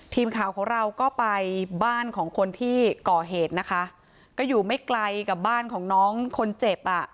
ทีมข่าวของเราก็ไปบ้านของคนที่ก่อเหตุนะคะก็อยู่ไม่ไกลกับบ้านของน้องคนเจ็บอ่ะ